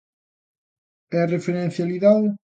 E a referencialidade?